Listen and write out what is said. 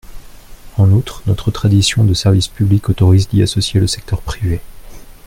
En outre, notre tradition de service public autorise d’y associer le secteur privé.